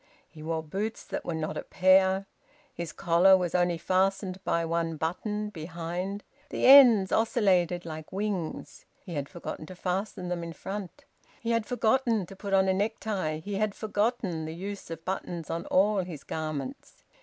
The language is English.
He wore boots that were not a pair. His collar was only fastened by one button, behind; the ends oscillated like wings; he had forgotten to fasten them in front; he had forgotten to put on a necktie; he had forgotten the use of buttons on all his garments.